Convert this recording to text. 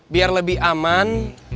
biar lebih aman